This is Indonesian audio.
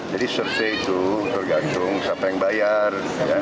jadi survei itu bergantung siapa yang bayar